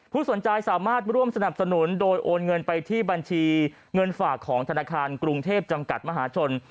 สนใจสามารถร่วมสนับสนุนโดยโอนเงินไปที่บัญชีเงินฝากของธนาคารกรุงเทพจำกัดมหาชน